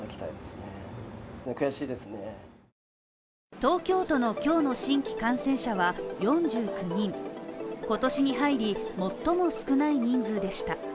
東京都の今日の新規感染者は４９人、今年に入り最も少ない人数でした。